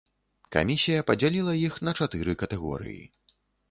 Камісія падзяліла іх на чатыры катэгорыі.